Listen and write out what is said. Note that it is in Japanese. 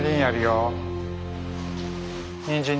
にんじん。